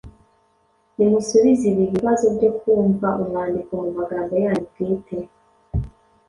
Nimusubize ibi bibazo byo kumva umwandiko mu magambo yanyu bwite